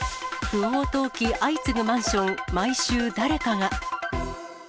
不法投棄相次ぐマンション、毎週誰かが。